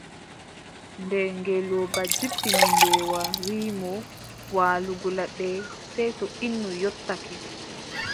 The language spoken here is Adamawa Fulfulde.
Nde ngeelooba jippini mbeewa wii mo waalugo ladde, sey to innu yottake.